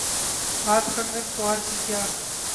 ہاتھ کنگن کو آرسی کیا؟